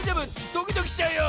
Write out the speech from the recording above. ドキドキしちゃうよ！